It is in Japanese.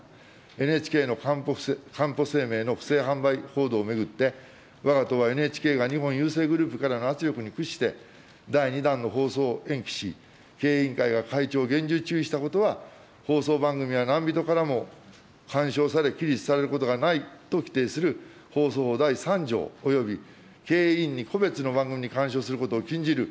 ＮＨＫのかんぽ生命の不正販売報道を巡って、わが党はＮＨＫが日本郵政グループからの圧力に屈して、第２弾の放送を延期し、経営委員会が会長を厳重注意したことは、放送番組は何人からも干渉され、規律されることがないと規定する放送法第３条および経営委員に個別の番組に干渉することを禁じる